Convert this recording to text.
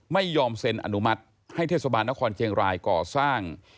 ไม่ยอมเซ็นอนุมัติให้เทศบาลนครเชียงรายก่อสร้าง